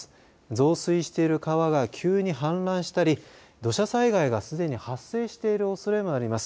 増水している川が急に氾濫したり土砂災害がすでに発生しているおそれもあります。